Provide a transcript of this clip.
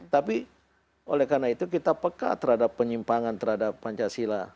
tapi oleh karena itu kita peka terhadap penyimpangan terhadap pancasila